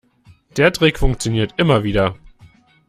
Der Trick funktioniert immer wieder.